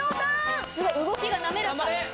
すごい動きが滑らか。